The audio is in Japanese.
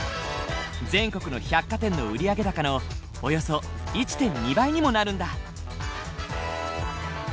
全国の百貨店の売り上げ高のおよそ１．２倍にもなるんだ。